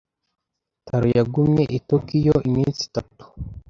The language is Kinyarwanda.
Taro yagumye i Tokiyo iminsi itatu.